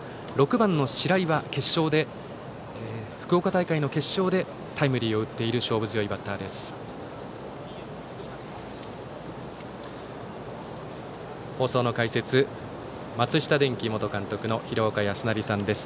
６番の白井は福岡大会の決勝でタイムリーを打っている勝負強いバッターです。